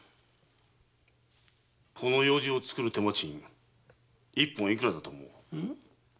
この楊枝を作る手間賃一本いくらだと思う？